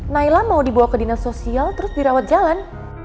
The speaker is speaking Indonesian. naila mau dibawa ke dinas sosial terus dirawat jalan